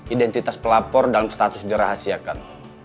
identitas pelapor dalam status dirahasiakan